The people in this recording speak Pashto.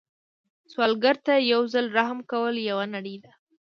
سوالګر ته یو ځل رحم کول یوه نړۍ ده